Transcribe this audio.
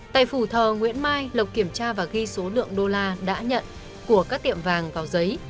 tại phủ thờ nguyễn mai lộc kiểm tra và ghi số lượng đô la đã nhận của các tiệm vàng vào giấy